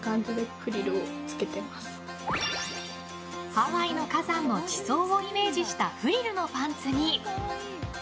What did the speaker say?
ハワイの火山の地層をイメージしたフリルのパンツに！